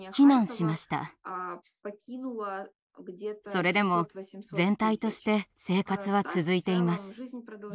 それでも全体として生活は続いています。